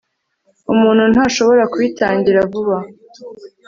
Umuntu ntashobora kubitangira vuba